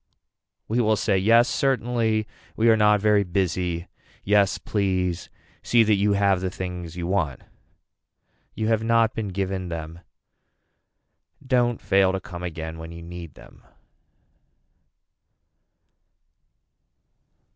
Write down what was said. We will say yes certainly, we are not very busy. Yes please see that you have the things you want. You have not been given them. Don't fail to come again when you need them.